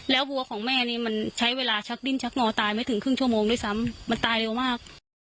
วัวของแม่นี่มันใช้เวลาชักดิ้นชักงอตายไม่ถึงครึ่งชั่วโมงด้วยซ้ำมันตายเร็วมาก